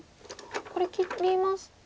これ切りますと。